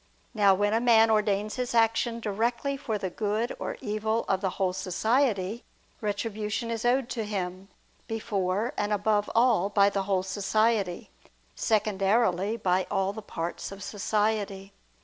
Now when a man ordains his action directly for the good or evil of the whole society, retribution is owed to him, before and above all, by the whole society; secondarily, by all the parts of society.